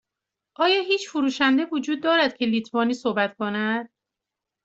آیا هیچ فروشنده وجود دارد که لیتوانی صحبت کند؟